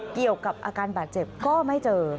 เกี่ยวกับอาการบาดเจ็บก็ไม่เจอ